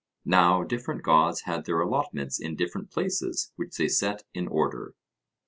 Now different gods had their allotments in different places which they set in order.